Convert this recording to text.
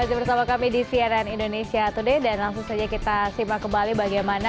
masih bersama kami di cnn indonesia today dan langsung saja kita simak kembali bagaimana